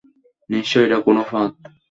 নিশ্চয়ই এটা কোনো ফাঁদ!